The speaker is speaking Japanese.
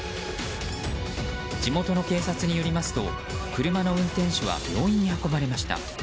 地元の警察によりますと車の運転手は病院に運ばれました。